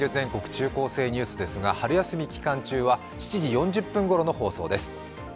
中高生ニュース」ですが春休み期間中は７時４０分ごろの放送です。